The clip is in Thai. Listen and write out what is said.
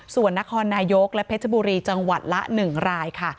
ส่วนนครนายกและเพชรบุรีจังหวัดละ๑รายค่ะ